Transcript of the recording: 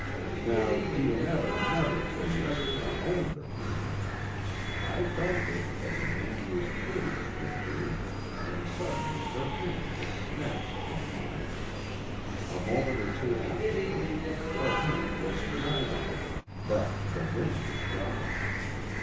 "Now, Dionetta never till yesterday owned a ring. I felt it, as a man who is curious would do, and suddenly her hand was snatched from mine. A moment or two afterwards, her hand was in mine again, but the ring was gone.